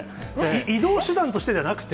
移動手段としてじゃなくて？